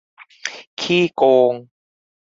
ขี้โกง